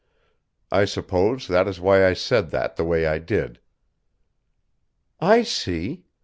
I suppose that is why I said that the way I did." "I see.